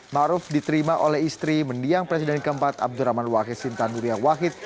maruf diterima oleh istri mendiang presiden keempat abdurrahman wahid sinta nuria wahid